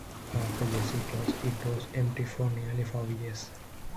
After Jazzy closed, it was empty for nearly five years.